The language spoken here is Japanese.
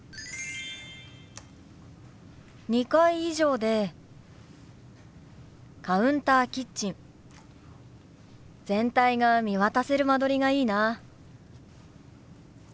２階以上でカウンターキッチン全体が見渡せる間取りがいいな。